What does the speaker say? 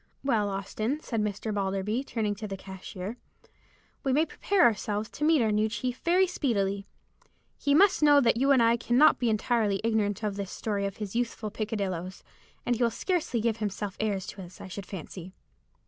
"Well, Austin," said Mr. Balderby, turning to the cashier, "we may prepare ourselves to meet our new chief very speedily. He must know that you and I cannot be entirely ignorant of the story of his youthful peccadilloes, and he will scarcely give himself airs to us, I should fancy."